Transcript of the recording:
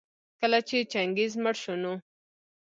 کله چي چنګېز مړ شو نو